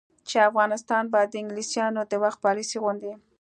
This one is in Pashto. چې افغانستان به د انګلیسانو د وخت پالیسي غوندې،